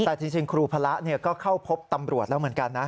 แต่จริงครูพระก็เข้าพบตำรวจแล้วเหมือนกันนะ